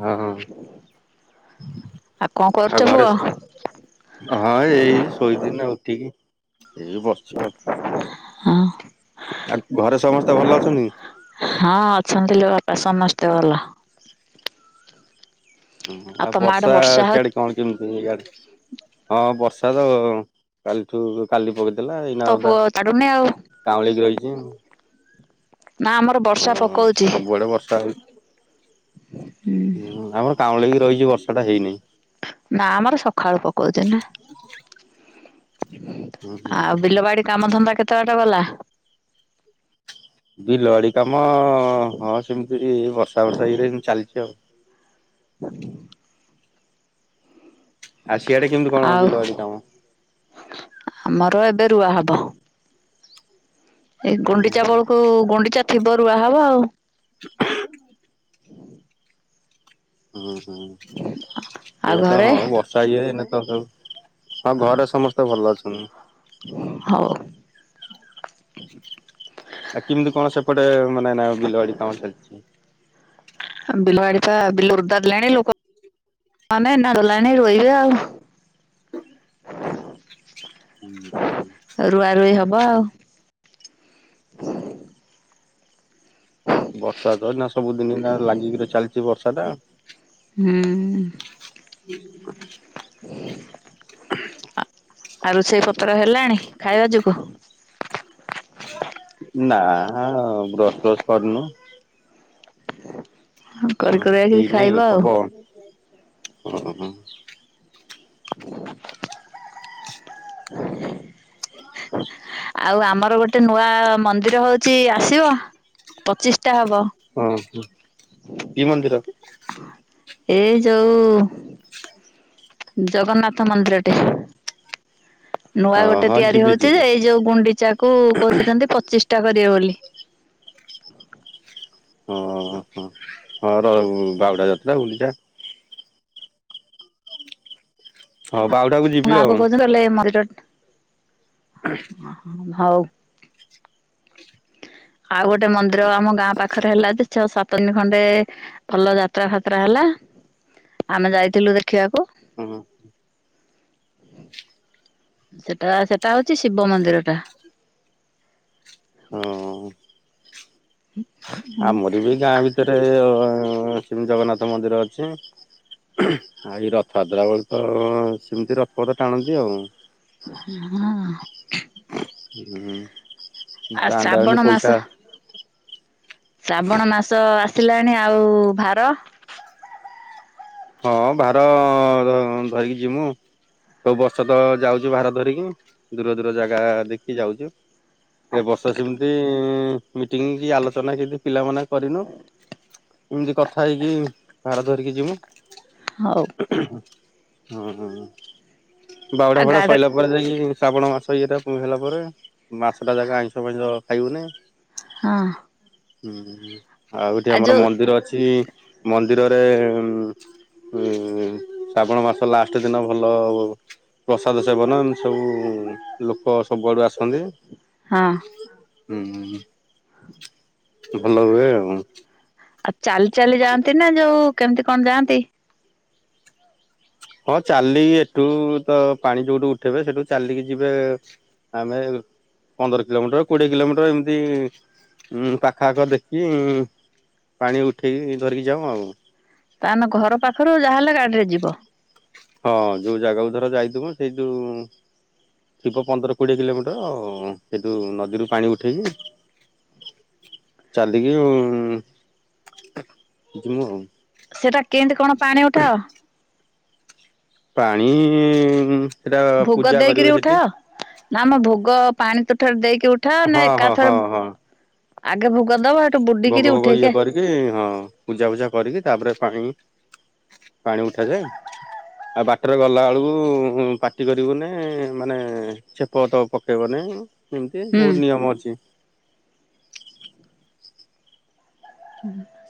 ହଁ। ଆଉ କଣ ଆଉ କରୁଛ ଘରେ ପୁଅ। ହଁ ଏଇ ଶୋଇଦିନ ଉଠିକି ଏଇଉ ବସିଛି ଆଉ। ହଁ। ଆଉ ଘରେ ସମସ୍ତେ ଭଲ ଅଛନ୍ତି? ହଁ ଅଛନ୍ତି ଲୋ ବାପା ସମସ୍ତେ ଭଲ। ହୁଁ ଆଉ ତମ ଆଡେ ବର୍ଷା ହଉଛି ସଆଡେ କଣ? କେମତି ହଁ ବର୍ଷା ତ କାଲି ଏଠୁ କାଲି ପକେଇଦେଲା ତ ପୁଅ ଏଇନାଧା ଛାଡୁନି ଆଉ କାଉଁଳିକି ରହିଛି। ନା ଆମର ବର୍ଷା ପକଉଛି। ବଡ଼େ ବର୍ଷ ହୁଁ ଆମର କାଉଁଳି ବି ରହିଛି ବର୍ଷା ଟା ହେଇନହିଁ। ନା ଆମର ସକାଳୁ ପକାଉଛି ନା। ଆଉ ବିଲବାଡି କାମ ଧନ୍ଦା କେତେ ବା ଟା ଗଲା? ବିଲଆଡି କାମ ହଁ ସେମିତି ବର୍ଷା ବର୍ଷା ଇରେତି ଚାଲିଛି ଆଉ। ହ। ଆସିଆ ଟା କେମିତି କଣ ଆଉ ବିଲବାଡି କାମ? ଆମର ଏବେ ରୁଆ ହବ। ଏଇ ହୁଁ ଗୁଣ୍ଡିଚା ହୁଁ ବେଳକୁ ଗୁଣ୍ଡିଚା ଥିବ ରୁଆ ହବ ଆଉ। ହୁଁ ହୁଁ ଆଉ ଏଇ ତ ଘରେ ହଁ ବ ସାଇ ହେନ ତ ସ ହଁ ଘରେ ସମସ୍ତେ ଭଲ ଅଛନ୍ତି। ହଉ। ଆ କେମିତି କଣ ସେପଟେ ମାନେ ନା ବିଲଆଡି କାମ ଚାଲିଛି? ବିଲୁବାଡି ପା ବିଲୁ ରଦ୍ଦାଦ ଲେଣି ଲୋକ ହ ମ ଏନା କ ଲଣି ରୋୋଇ ବି ଆଉ [unintelligible] ହୁଁ ହୁଁ [unintelligible] ରୁଆ ରୁଇ ହବ ଆଉ। ବର୍ଷା ତ ନା ସବୁଦିନ ନା ଲାଗିକିରି ଚାଲିଛି ବର୍ଷା ଟା ଆଉ ହୁଁ। [inaudible] ଆଉ ରୋଷେଇ ପତ୍ର ହେଲାଣି ଖାଇବା ଯୋଗୁ? ନା ବ୍ରସ୍ ଫ୍ରସ୍ କରିନୁ କରି ହଁ କୁରାକି ହେଇନି ଖାଇବା ଆଉ ହବ ଆଉ ଆମର ଗୋଟେ ନୂଆ ମନ୍ଦିର ଚି ଆସିବ ପଚିଷ୍ଟା ହବ। ଓହୋ କି ମନ୍ଦିର? ଏ ଜୋଉ ଜଗନ୍ନାଥ ମନ୍ଦିରଟେ ନୂଆ ହଁ ଗୋଟେ ହଁ ତିଆରି ଯିବି ହଉଚି ଯିବି ଯେ ଏଇ ଗୁଣ୍ଡିଚା କୁ କହୁଚନ୍ତି ପଚିଷ୍ଟା କରିବେ ବୋଲି। ଓହୋ ହଉ ରହୁ ବାହୁଡା ଯାତ୍ରା ଗୁଣ୍ଡିଚା ହଁ ବାହୁଡା କୁ ଜି ଗାଁ ଲୋକ କହୁଚନ୍ତି କହିଲେ ମନ୍ଦିରରେ ଭାଉ ଆଉ ଗୋଟେ ମନ୍ଦିର ଆମ ଗାଁ ପାଖରେ ହେଲା ଯେ ଛଅ ସାତଦିନି ଖଣ୍ଡେ ଭଲ ଯାତ୍ରା ଫାତ୍ରା ହେଲା ଆମେ ଯାଇଥିଲୁ ଦେଖିବାକୁ। ଉଁହୁଁ। ସେଟା ସେଟା ହଉଚି ଶିବ ମନ୍ଦିର ଟା। ହୁଁ। ଆମର ବି ଗାଁ ଭିତରେ ସେମିନ୍ତି ଜଗନ୍ନାଥ ମନ୍ଦିର ଅଛି। ଆଉ ଏଇ ରଥଯାତ୍ରା ବେଳେ ତ ସେମିତି ରଥ ପଥ ଟାଣନ୍ତି ଆଉ। ହୁଁ। ହୁଁ ଆଉ ଦାଣ୍ଡ ଶ୍ରାବଣ ଆଉନି ମାସ ପଇସା ଶ୍ରାବଣ ମାସ ଆସିଲାଣି ଆଉ ଭାର ହଁ ଭାର ଧରିକି ଯିମୁ। ସବୁ ବର୍ଷ ତ ଯାଉଚୁ ଭାର ଧରିକି ଦୂର ଦୂର ଜାଗା ଦେଖିକି ଯାଉଚୁ। ଏ ବର୍ଷ ସେମିତି ମିଟିଂ କି ଆଲୋଚନା କିଛି ପିଲାମାନେ କରିନୁ ଏମିତି କଥା ହେଇକି ଭାର ଧରିକି ଯିମୁ। ହଉ। ଉଁ ହୁଁ ବାଉଡା ଆଉ ଫାଉଡା ଗାଡ ସଇଲା ତାପରେ ଯାଇକି ଶ୍ରାବଣ ମାସ ଇଏଟା ପୁଣି ହେଲା ପରେ ମାସଟା ଯାକ ଆଇଁଷ ଫାଇଁଷ ଖାଇବୁନି। ହଁ। ଉଁ ହୁଁ ଆଉ ଏଠି ଆମର ମନ୍ଦିର ଅଛି ମନ୍ଦିରରେ ଉଁ ଶ୍ରାବଣ ମାସ ଲାଷ୍ଟ ଦିନ ଭଲ ପ୍ରସାଦ ସେବନ ଏମତି ସବୁ ଲୋକ ସବୁଆଡୁ ଆସନ୍ତି। ହଁ। ହୁଁ ଭଲ ହୁଏ ଆଉ। ଚାଲ ଚାଲି ଯାଆନ୍ତି ନା ଯୋଉ କେମିତି କଣ ଯାଆନ୍ତି? ହଁ ଚାଲି ଏଠୁ ତ ପାଣି ଯୋଉଠୁ ଉଠେଇବେ ସେଠୁ ଚାଲିକି ଯିବେ ଆମେ ପନ୍ଦର କିଲୋମିଟର କୋଡିଏ କିଲୋମିଟର ଏମିତି ଉ ପାଖ ଆଖ ଦେଖି ଉଁ ପାଣି ଉଠେଇି ଧରିକି ଯାଉଁ ଆଉ। ତା ଆମେ ଘର ପାଖୁରୁ ଯାହାହେଲେ ଗାଡିରେ ଯିବୁ। ହଁ ଯୋଉ ଜାଗାକୁ ଧର ଯାଇଥିବ ସେଇଠୁ ଥିବ ପନ୍ଦର କୋଡ଼ିଏ କିଲୋମିଟର ସେଇଠୁ ନଦୀରୁ ପାଣି ଉଠେଇକି ଚାଲିକି ଉଁ ଜି ମୁ ଆଉ। ସେଟା କେମିତି କଣ ପାଣି ଉଠାଅ? ପାଣି ସେଟା ପୂଜା କରିବେ ସେଠି। ନାମ ଭୋଗ ପାଣି ତୁଠରେ ଦେଇକି ଉଠାଅ ନା ହଁ ହଁ ଏକାଥର ହଁ ହଁ। ଆଗେ ଭୋଗ ଦବ ବୁଡିକିରି ଭୋଗ ଫୋଗ ଉଠେଇକି ଇଏ କରିକି ହଁ ପୂଜା ଫୂଜା କରିକି ତାପରେ ପାଣି ପାଣି ଉଠାଯାଏ। ଆଉ ବାଟରେ ଗଲାବେଳୁ ପାଟି କରିବୁନି ମାନେ ଛେପପ ପକେଇବନି ଏମିତି ହୁଁ ବହୁତ ନିୟମ ଅଛି।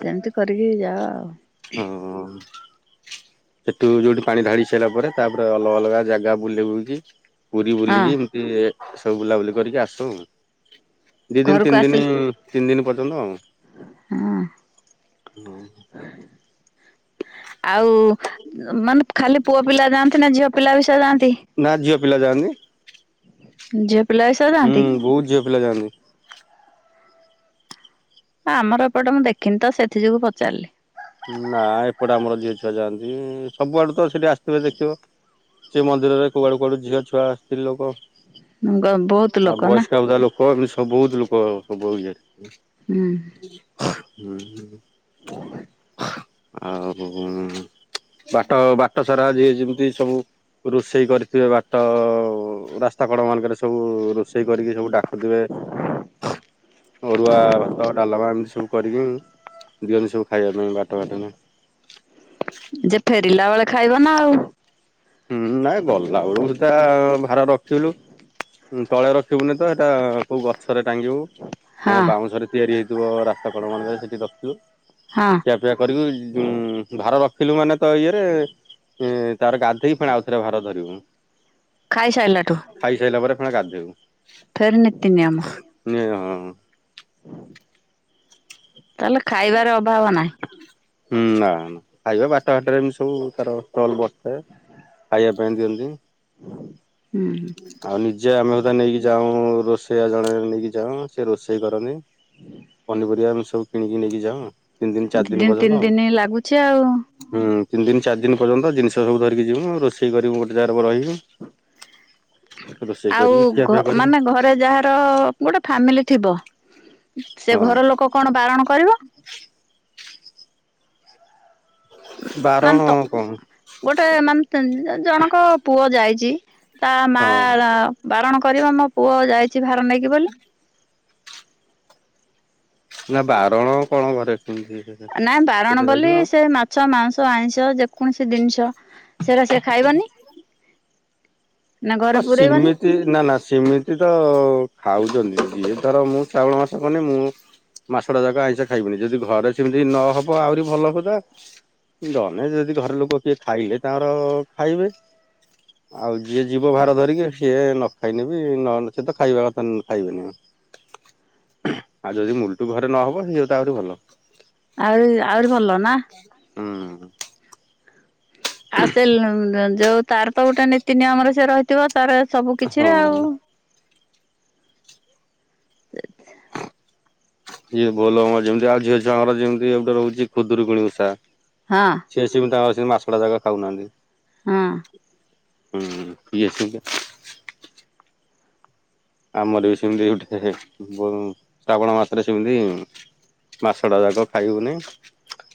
ସେମିତି କରିକି ଯାଅ ଆଉ ହଁ ସେଠୁ ଯୋଉଠି ପାଣି ଧଢାଡି ସାରିଲା ପରେ ତାପରେ ଅଲଗା ଅଲଗା ଜାଗା ବୁଲି ବୁଲିକ ପୁରୀ ଆଉ ବୁଲିକି ହଁ ଏମିତି ସବୁ ବୁଲାବୁଲି କରିକି ଆସ ଆ ଦି ଦିନ ଘରକୁ ତିନି ଦିନ ଆସିଲେ ତିନି ଦିନ ପର୍ଯ୍ୟନ୍ତ ଆଉ ହଁ ଆଉ ମାନେ ଖାଲି ପୁଅ ପିଲା ଯାଆନ୍ତି ନା ଝିଅ ପିଲା ବି ସେୟ ଯାଆନ୍ତି। ନା ଝିଅ ପିଲା ଯାଆନ୍ତି। ଯେ ପିଲା ସହ ହୁଁ ଯାଆନ୍ତି? ବହୁତ ଝିଅ ପିଲା ଯାଆନ୍ତି। ଆ ଆମର ଏପଟେ ମୁଁ ଦେଖିନି ତ ସେଥି ଯୋଗୁ ପଚାରିଲି ନା ଏପଟେ ଆମର ଝିଅ ଛୁଆ ଯାଆନ୍ତି ସବୁଆଡେ ତ ସେଠି ଆସିଥିବେ ଦେଖିବ। ସେ ମନ୍ଦିରରେ କୁଆଡ଼ୁ କୁଆଡ଼ୁ ଝିଅ ଛୁଆ ଆସିଥିଲେ ଲୋକ ଗ ବହୁତ ଆଉ ଲୋକ ନା ବୟସ୍କା ବଧା ଲୋକ ଏମିତି ବହୁତ ଲୋକ ସବୁ ହୁଁ ହୁଁ ହଁ ଆଉ ବାଟ ବାଟ ସାରା ଯିଏ ଯେମିତି ସବୁ ରୋଷେଇ କରିଥିବେ ବାଟ ରାସ୍ତା କଡ ମାନଙ୍କରେ ସବୁ ରୋଷେଇ କରିକି ସବୁ ଡାକୁଥିବେ। ହଁ ଅରୁଆ ଭାତ ଡାଲମା ଏମିତି ସବୁ କରିକି ଦିଅନ୍ତି ସବୁ ଖାଇବା ପାଇଁ ବାଟ ବାଟ ନ ଯେ ଫେରିଲା ବେଳେ ଖାଇବ ନା ଆଉ ହୁଁ ନାଇଁ ଗଲା ବେଳକୁ ସିଧା ଭାରା ରଖିଥିଲୁ। ତଳେ ରଖିବୁନି ତ ଏଇଟା କୋଉ ଗଛରେ ଟାଙ୍ଗିବୁ ମାନେ ହଁ ବାଉଁଶରେ ତିଆରି ହେଇଥିବ ରାସ୍ତା କଡ ମାନଙ୍କରେ ସେଠି ହଁ ରଖିଥିବ ସେ କରିକି ଭାର ରଖିଲୁ ମାନେ ତ ଇଏରେ ତାର ଗାଧେଇ ଆଉଥରେ ଭାର ଧରିବୁ। ଖାଇସାରିଲାଠୁ ଖାଇସାରିଲା ପରେ ଫେଣି ଗାଧେବୁ ଫେରିନେତିନି ଆମ ନ ହଁ ତାହେଲେ ଖାଇବାର ଅଭାବ ନାହିଁ। ହୁଁ ନା ଖାଇବା ବାଟଘାଟରେ ସବୁ ତାର ଷ୍ଟଲ ବଢଥାଏ। ଖାଇବା ପାଇଁ ଦିଅନ୍ତି। ହୁଁ ହ ଆଉ ନିଜେ ଆମେ ବଧେ ନେଇକି ଯାଉ ରୋଷେଇଆ ଜଣେ ନେଇକି ଯାଉ ସେ ରୋଷେଇ କରନ୍ତି। ପନିପରିବା ଆମ ସବୁ କିଣିକି ନେଇକି ଯାଉ ଦି ଦିନ ତିନି ଦିନ ଲାଗୁଛି ଆଉ ହୁଁ ତିନି ଦିନ ଚାରି ଦିନ ପର୍ଯ୍ୟନ୍ତ ଜିନିଷ ସବୁ ଧରିକି ଯିବୁ ରୋଷେଇ କରିବୁ ଗୋଟେ ଜାଗାରେ ରହିବୁ। ରୋଷେଇ କରିକି ଆଉ ଖିଆପିଆ କରିବୁ ମାନେ ଘରେ ଯାହା ଗୋଟେ ଫାମିଲି ଥିବ ସେ ହଁ ଘର ଲୋକ କଣ ବାରଣ କରିବ। ମାନେ ତ ବାରଣ କଣ? ଗୋଟେ ମାନେ ଜଣଙ୍କ ପୁଅ ଯାଇଛି ତା ମା ହଁ ବାରଣ କରିବ ମୋ ପୁଅ ଯାଇଛି ଭାର ନେଇକି ବୋଲି ହ ନା ବାରଣ କଣ ଘରେ ଶୁଣିଛି ନାଇଁ ବାରଣ ବୋଲି ସେ ମାଛ ମାଂଁସ ଆଇଁଷ ଯେକୌଣସି ଜିନିଷ ସେଟା ସେ ଖାଇବନି ନା ହ ଘରେ ସୀମି ପୁରେଇବନି ନା ନା ସେମିତି ତ ଖାଉଛନ୍ତି ଇଏ ଧର ମୁଁ ଚାଉଳ ମାସ କନି ମୁଁ ମାଛ ଟା ଯାକ ଆଇଁଷ ଖାଇବିନି, ଯଦି ଘରେ ସେମିତି ନହବ ଆହୁରି ଭଲ କଥା। ଜଣେ ଯଦି ଘରେ ଲୋକ କିଏ ଖାଇଲେ, ତାଙ୍କର ଖାଇବେ ଆଉ ଯିଏ ଜୀବ ଭାର ଧରିକି ସିଏ ନ ଖାଇନେ ବି ନ ସ ତ ଖାଇବା କଥା ଖାଇବେନି। ଆଉ ଯଦି ମୁଲଟୁ ଘରେ ନହବ ସେଇ ଯଉ ତ ଆହୁରି ଭଲ। ଆହୁରି ଆହୁରି ଭଲ ନା। ହୁଁ। ଆଉ ସେ ଯୋଉ ତାର ତ ଗୋଟେ ନୀତି ନିୟମରେ ସେ ରହିଥିବ, ତାର ସବୁ କିଛି ଆଉ। ହଁ। ଇଏ ବୋଉଲୋ ମର ଯେମିତି ଆଉ ଝିଅଛୁଆଙ୍କର ଯେମିତି ଗୋଟେ ରହୁଛି ଖୁଦୁରକୁଣି ଓଷା। ହଁ ଅ। ସିଏ ସେ ତାଙ୍କ ସେ ମାସଟା ଯାକ ଖାଉନାହାନ୍ତି। ହଁ ଅ। ହୁଁ [unintelligible] ଆମର ବି ସେମିତି ଗୋଟେ ଶ୍ରାବଣ ମାସରେ ସେମିତି ମାସଟା ଯାକ ଖାଇହଉନି।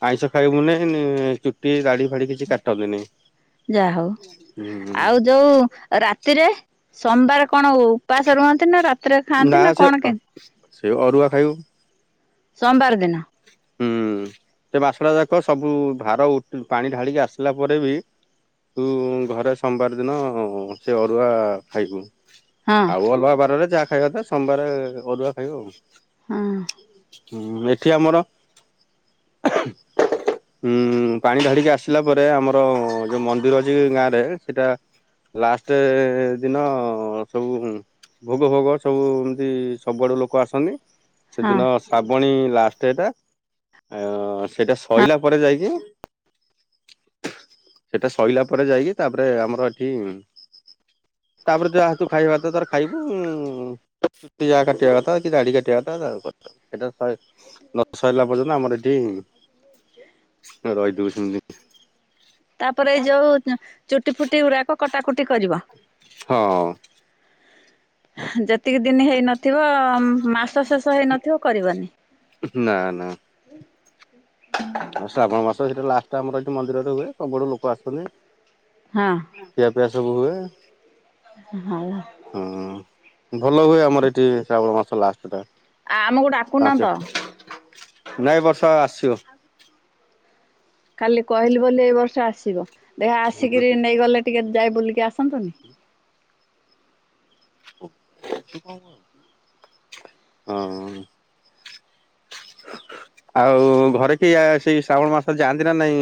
ଆଇଁଷ ଖାଇବୁନି ଚୁଟି ଦାଢ଼ି ଫାଡି କିଛି କାଟନ୍ତିନି। ଯାହା ହଉ ହୁଁ ଆଉ ଯୋଉ ରାତିରେ ସୋମବାର କଣ ହ? ଉପାସ ରୁହନ୍ତି ନା ରାତିରେ ଖାନ୍ତି ନା କଣ କେମିତି? ସେଇ ଅରୁଆ ଖାଇବୁ। ସୋମବାର ଦିନ। ହୁଁ ଉଁ ସେ ମାସଟା ଯାକ ସବୁ ଭାର ପାଣି ଢାଳିକି ଆସିଲା ପରେ ବି ତୁ ଘରେ ସୋମବାର ଦିନ ସେ ଅରୁଆ ଖାଇବୁ। ହଁ ଅଲୁଆ ବାରରେ ଯାହା ଖାଇବା ତ ସୋମବାର ଅରୁଆ ଖାଇବା ଆଉ ହଁ ହୁଁ, ଏଠି ଆମର ଉଁ ପାଣି ଢାଳିକି ଆସିଲା ପରେ ଆମର ଯୋଉ ମନ୍ଦିର ଅଛି ଗାଁ ରେ, ସେଇଟା ଲାଷ୍ଟ ଦିନ ସବୁ ଭୋଗ ଫୋଗ ସବୁ ଏମିତି ସବୁଆଡ଼ୁ ଲୋକ ଆସନ୍ତି ହଁ ସେଦିନ ଶ୍ରାବଣୀ ଲାଷ୍ଟଟା ଆଉ ସେଇଟା ହଁ ସଇଲା ପରେ ଯାଇକି ସେଟା ସଇଲା ପରେ ଯାଇକି, ତାପରେ ଆମର ଏଠି ତାପରେ ଯାହା ତୁ ଖାଇବା କଥା ତର ଖାଇବୁ ପିଆ କାଟିବା କଥା କି ଦାଢ଼ି କାଟିବା କଥାଥା। ସେଇଟା ଶହେ ନ ସରିଲା ପର୍ଯ୍ୟନ୍ତ ଆମର ଏଠି ରହିଦଉଛନ୍ତି ତାପରେ ଏଇ ଯୋଉ ଚୁଟି ଫୁଟି ଗୁଡ଼ାକ କଟାକୁଟି କରିବ। ହଁ ଅଁ। ଯେତିକି ଦିନ ହେଇନଥିବ, ମାସ ଶେଷ ହେଇନଥିବ, କରିବନି। ନା ନା। ଶ୍ରାବଣ ମାସ ସେଟା ଲାଷ୍ଟ ଆମର ଏଠି ମନ୍ଦିରରେ ହୁଏ, ସବୁଆଡୁ ଲୋକ ଆସୁଛନ୍ତି ହଁ ଅ ଖିଆପିଆ ସବୁ ହୁଏ। [unintelligible] ହଁ ଭଲ ହୁଏ ଆମର ଏଠି ଶ୍ରାବଣ ମାସ ଲାଷ୍ଟଟା। ଆମକୁ ଡାକୁନ ତ ପାଞ୍ଚ, ନାଇଁ ବର୍ଷ ଆସିବ। କାଲି କହିଲି ବୋଲି ଏଇ ବର୍ଷ ଆସିବ, ଦେଖିଆ ଆସିକିରି ନେଇଗଲେ ଟିକେ ଯାଇ ବୁଲିକି ଆସନ୍ତୁନି। [inaudible] ହଁ ଅଁ। [inaudible] ଆଉ ଘରେ କିଏ ଆ ସେଇ ଶ୍ରାବଣ ମାସରେ ଯାଆନ୍ତି ନା ନାଇଁ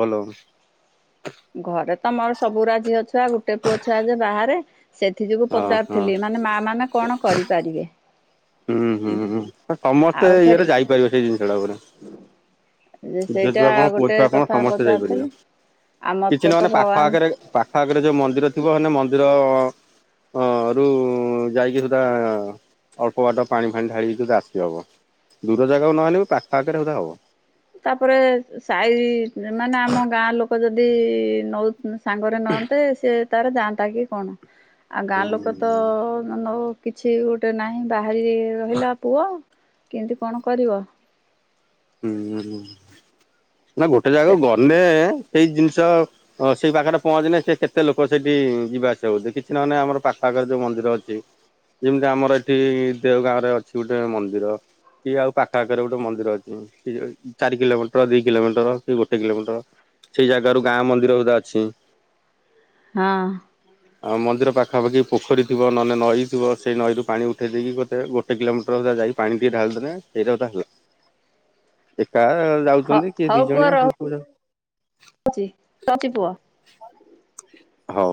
ବୋଲବମ? ଘରେ ତ ମର ସବୁଉରା ଝିଅ ଛୁଆ ଗୋଟେ ପୁଅ ଛୁଆ ଯେ ବାହାରେ। ସେଥି ଯୁଗୁ ହଁ ହଁ ପଚାରୁଥିଲି ମାନେ, ମା ମାନେ କଣ କରିପାରିବେ? ହୁଁ ହୁଁ ସମସ୍ତେ ଆଉ ଫେର ଇଏରେ ଯାଇପାରିବ ସେଇ ଜିନିଷ ଟା ବୋଧେ। ଝିଅ ସେଇଟା ଛୁଆ କଣ ପୁଅ ଗୋଟେ ଛୁଆ କଣ କଥା ସମସ୍ତେ ଯାଇପାରିବେ ପଚାରୁଥିଲି। ଆଉ କିଛି ମତେ ତ ନହେନେ ପାଖ ଭଗବାନ ଆଖରେ ପାଖ ଆଖରେ ଯୋଉ ମନ୍ଦିର ଥିବ ହେନେ ମନ୍ଦିର ହ ରୁ ଯାଇକି ସୁଧା ଅଳ୍ପ ବାଟ ପାଣି ଫାଣି ଢ଼ାଳିକି ସୁଦା ଆସି ହବ। ଦୂର ଜାଗାକୁ ନହେଲେ ବି ପାଖ ଆଖରେ ସୁଦା ହବ। ତାପରେ ସାଇ ଏ ମାନେ ଆମ ଗାଁ ଲୋକ ଯଦି ନଉ ସାଙ୍ଗରେ ନଅନ୍ତେ ସିଏ ତାର ଯାଆନ୍ତା କି କଣ? ଆଁ ଗାଁ ହୁଁ ଲୋକତ ନ ନଉ କିଛି ଗୋଟେ ନାହିଁ। ବାହାରି ରହିଲା ପୁଅ କେନତି କଣ କରିବ? ହୁଁ ହୁଁ ନା ଗୋଟେ ଜାଗାକୁ ଗନେ ସେଇ ଜିନିଷ ଓ ସେଇ ପାଖେରେ ପହଞ୍ଚିଲେ ସେ କେତେ ଲୋକ ସେଠି ଯିବା ଆସିବା ହଉଛି କିଛି ନହେନେ ଆମର ପାଖ ଆଖେରେ ଯୋଉ ମନ୍ଦିର ଅଛି ଯେମିତି ଆମର ଏଠି ଦେଓଗାଁ ରେ ଅଛି ଗୋଟେ ମନ୍ଦିର କି ଆଉ ପାଖ ଆଖରେ ଗୋଟେ ମନ୍ଦିର ଅ ହୁଁ କିଏ ଯାଉଚି ଚାରି କିଲୋମିଟର ଦି କିଲୋମିଟର କି ଗୋଟେ କିଲୋମିଟର। ସେଇ ଜାଗାରୁ ଗାଁ ମନ୍ଦିର ଉଦା ଅଛିଁ। ହଁ। ଆଉ ମନ୍ଦିର ପାଖାପାଖି ପୋଖରୀ ଥିବ ନହେନେ ନଈ ଥିବ ସେଇ ନଈରୁ ପାଣି ଉଠେଇ ଦେଇକି ଗୋତେ ଗୋ ଟେ କିଲୋମିଟରରୁ ଯାଇ ପାଣି ଟିକେ ଢାଳି ଦେଲେ ସେଇଟା ସୁଦା ହେଲା। ଏକା ଆ ହଁ ଯାଉଚନ୍ତି କିଏ ଦି ଜଣିଆ ଏମ ସବୁ ଯାଉଚ ଚି ରଉଛି ପୁଅ। ହଉ।